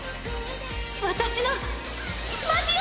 私のマジを！